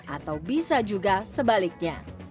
atau bisa juga sebaliknya